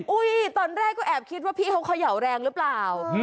ตอนแรกก็แอบคิดว่าพี่เขาเขย่าแรงหรือเปล่า